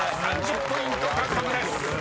３０ポイント獲得です］